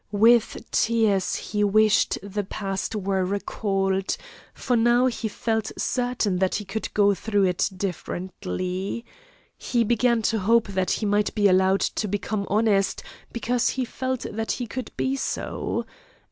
With tears he wished the past were recalled, for now he felt certain that he could go through it differently. He began to hope that he might be allowed to become honest, because he felt that he could be so.